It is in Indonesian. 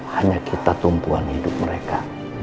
hanya kita tumpuan hidup mereka